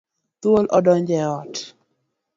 Thuol odonjo e ot.